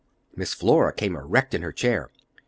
Miss Flora came erect in her chair.